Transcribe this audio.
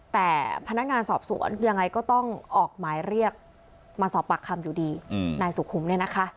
แต่พนักงานสอบสวนยังไงก็ต้องออกหมายเรียกมาสอบปากคำอยู่ดีนายสุขุมเนี่ยนะคะ